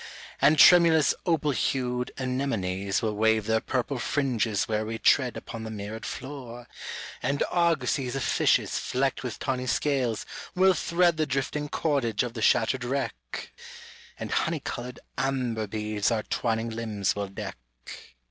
And tremulous opal hued anemones Will wave their purple fringes where we tread Upon the mirrored floor, and argosies Of fishes flecked with tawny scales will thread The drifting cordage of the shattered wreck, And honey colored amber beads our twining limbs will deck."